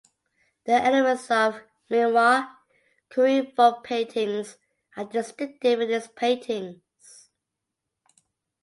The elements of Minhwa(Korean folk paintings) are distinctive in his paintings.